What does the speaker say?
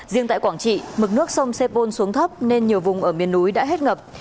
riêng tại quảng trị mực nước sông sepol xuống thấp nên nhiều vùng ở miền núi đã hết ngập